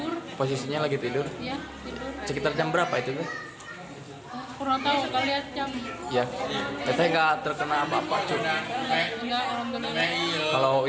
resolusi ada penghuni rumah yang kena pecahan kaca